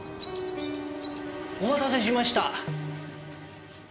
お待たせしました。